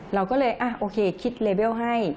เราก็เลยโอเคคิดเลเวลให้